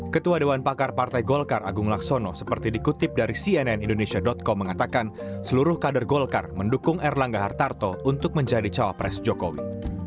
ketua dewan pakar partai golkar agung laksono seperti dikutip dari cnn indonesia com mengatakan seluruh kader golkar mendukung erlangga hartarto untuk menjadi cawapres jokowi